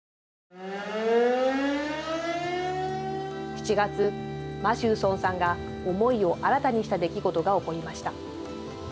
７月、マシューソンさんが思いを新たにした出来事が起こりました。